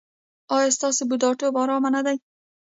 ایا ستاسو بوډاتوب ارام نه دی؟